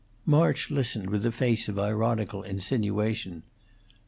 '" March listened with a face of ironical insinuation.